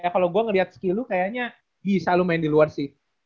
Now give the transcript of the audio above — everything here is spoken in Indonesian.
kalau gue ngeliat skill lu kayaknya bisa lu main di luar sih